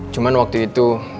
cuman waktu itu